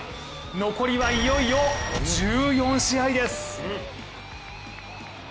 残りはいよいよ１４試合です。